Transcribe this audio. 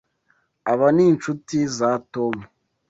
Aba ni inshuti za Tom.